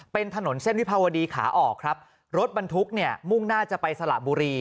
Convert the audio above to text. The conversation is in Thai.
เป็นถนนเส้นวิภาวดีขาออกครับรถบรรทุกเนี่ยมุ่งหน้าจะไปสละบุรี